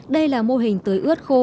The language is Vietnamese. đây là mô hình tưới ướt khô